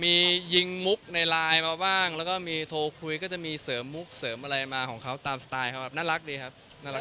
มียิงมุกในไลน์มาบ้างแล้วก็มีโทรคุยก็จะมีเสริมมุกเสริมอะไรมาของเขาตามสไตล์เขาแบบน่ารักดีครับน่ารัก